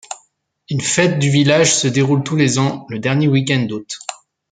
Une fête du village se déroule tous les ans, le dernier week-end d'août.